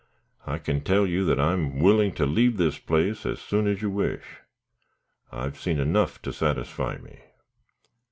I can tell you, that I am willing to leave this place as soon as you wish; I've seen enough to satisfy me."